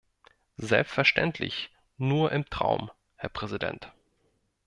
Selbstverständlich nur im Traum, Herr Präsident!